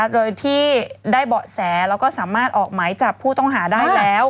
โดยที่ได้เบาะแสแล้วก็สามารถออกหมายจับผู้ต้องหาได้แล้ว